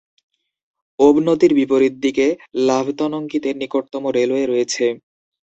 ওব নদীর বিপরীত দিকে লাভতনঙ্গীতে নিকটতম রেলওয়ে রয়েছে।